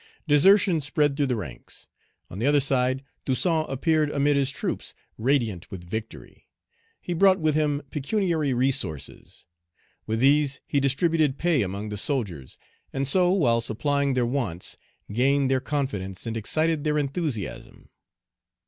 Desertion spread through the ranks. On the other side, Toussaint appeared amid his troops, radiant with victory. He brought with him pecuniary resources. With these, he distributed pay among the soldiers; and so, while supplying their wants, gained their confidence, and excited their enthusiasm.